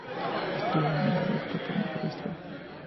Estuvo nominada al Óscar por mejor vestuario.